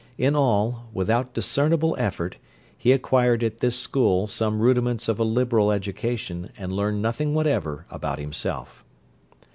In all, without discernible effort, he acquired at this school some rudiments of a liberal education and learned nothing whatever about himself.